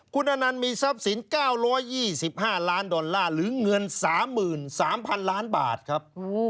คุณอนันต์มีทรัพย์สิน๙๒๕ล้านดอลลาร์หรือเงิน๓๓๐๐๐ล้านบาทครับ